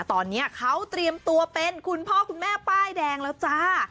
ตอนนี้เขาเตรียมตัวเป็นคุณพ่อคุณแม่ป้ายแดงแล้วจ้า